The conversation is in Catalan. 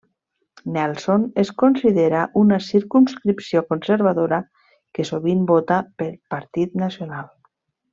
Nelson es considera una circumscripció conservadora i que sovint vota pel Partit Nacional.